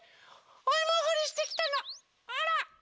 おいもほりしてきたのほら。